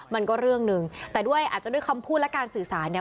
มันก็เรื่องหนึ่งแต่ด้วยอาจจะด้วยคำพูดและการสื่อสารเนี่ย